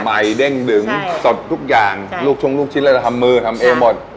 ใหม่เด้งดึงสดทุกอย่างลูกชุ่มลูกชิ้นแล้วทำมือทำเอวหมด